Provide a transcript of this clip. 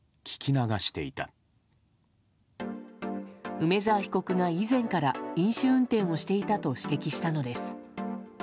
梅沢被告が以前から飲酒運転をしていたと指摘したのです。